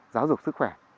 giáo dục sức khỏe